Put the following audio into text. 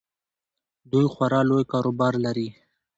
دوی خورا لوی کاروبار لري.